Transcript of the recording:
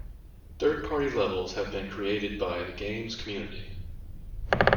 Third party levels have been created by the game's community.